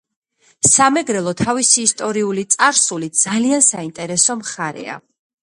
სამეგრელო თავისი ისტორიული წარსულით ძალიან საინტერესო მხარეა.